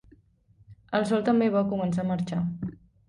El sol també va començar a marxar.